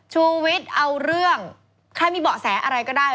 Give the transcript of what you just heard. ชูวิทย์เอาเรื่องใครมีเบาะแสอะไรก็ได้